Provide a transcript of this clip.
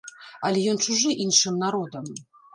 Але ён чужы іншым народам.